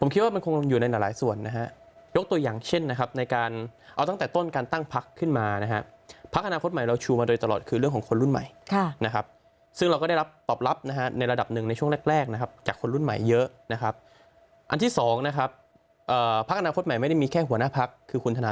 คิดว่ามันคงอยู่ในหลายส่วนนะฮะยกตัวอย่างเช่นนะครับในการเอาตั้งแต่ต้นการตั้งพักขึ้นมานะฮะพักอนาคตใหม่เราชูมาโดยตลอดคือเรื่องของคนรุ่นใหม่นะครับซึ่งเราก็ได้รับตอบรับนะฮะในระดับหนึ่งในช่วงแรกแรกนะครับจากคนรุ่นใหม่เยอะนะครับอันที่สองนะครับพักอนาคตใหม่ไม่ได้มีแค่หัวหน้าพักคือคุณธนา